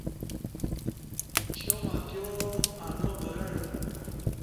چام اتیوݩع انا برݩع